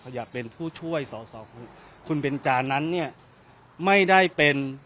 อยากเป็นผู้ช่วยสอสอคุณคุณเบนจานั้นเนี่ยไม่ได้เป็น